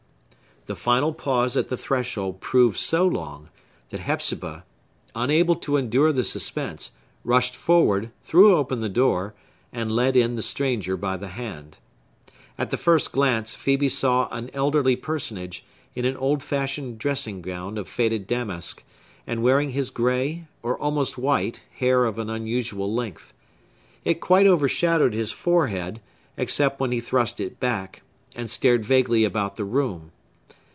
The final pause at the threshold proved so long, that Hepzibah, unable to endure the suspense, rushed forward, threw open the door, and led in the stranger by the hand. At the first glance, Phœbe saw an elderly personage, in an old fashioned dressing gown of faded damask, and wearing his gray or almost white hair of an unusual length. It quite overshadowed his forehead, except when he thrust it back, and stared vaguely about the room.